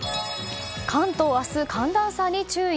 関東は明日寒暖差に注意。